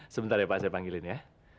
sebentar ya pak saya panggilin ya